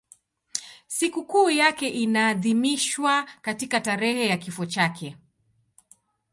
Sikukuu yake inaadhimishwa katika tarehe ya kifo chake.